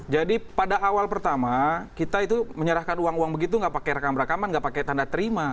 jadi pada awal pertama kita itu menyerahkan uang uang begitu nggak pakai rekam rekaman nggak pakai tanda terima